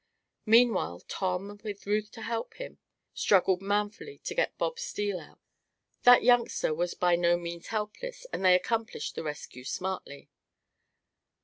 Meanwhile Tom, with Ruth to help him, struggled manfully to get Bob Steele out. That youngster was by no means helpless, and they accomplished the rescue smartly.